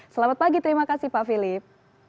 selamat pagi terima kasih pak philip